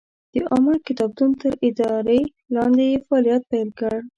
د عامه کتابتون تر ادارې لاندې یې فعالیت پیل کړ.